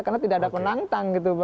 karena tidak ada penantang gitu